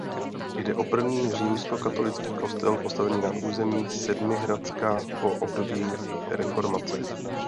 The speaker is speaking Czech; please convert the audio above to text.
Jde o první římskokatolický kostel postavený na území Sedmihradska po období reformace.